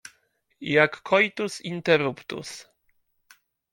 Jak coitus interruptus.